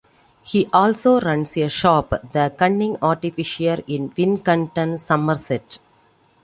He also runs a shop, The Cunning Artificer, in Wincanton, Somerset.